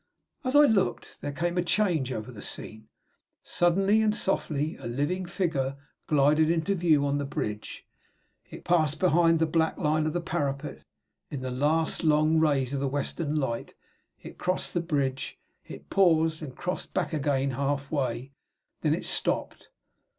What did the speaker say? As I looked, there came a change over the scene. Suddenly and softly a living figure glided into view on the bridge. It passed behind the black line of the parapet, in the last long rays of the western light. It crossed the bridge. It paused, and crossed back again half way. Then it stopped.